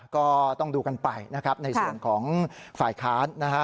ก็ต้องดูกันไปในส่วนของฝ่ายค้าน